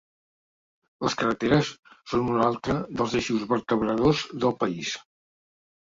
Les carreteres són un altre dels eixos vertebradors del país.